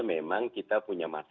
memang kita punya maksudnya